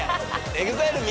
ＥＸＩＬＥ